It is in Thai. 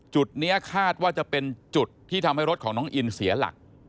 จุดนี้คาดว่าจะเป็นจุดที่ทำให้รถของน้องอินเสียหลัก